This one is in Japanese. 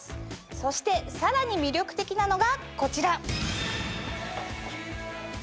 そしてさらに魅力的なのがこちら。